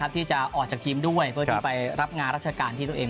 ที่จะออกจากทีมด้วยเพื่อที่ไปรับงานราชการที่ตัวเอง